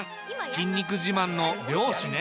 筋肉自慢の漁師ね。